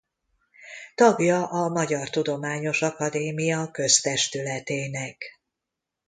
Tagja a Magyar Tudományos Akadémia Köztestületének.